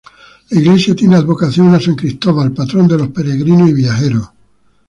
La iglesia tiene advocación a San Cristóbal, patrón de los peregrinos y viajeros.